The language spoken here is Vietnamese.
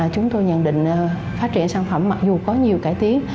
chúng tôi nhận định phát triển sản phẩm mặc dù có nhiều cải tiến